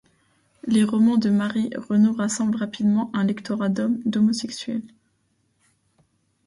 Les romans de Mary Renault rassemblent rapidement un lectorat d'hommes homosexuels.